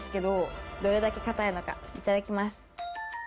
いただきます。